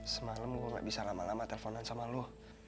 semalam gue gak bisa lama lama telponan sama lo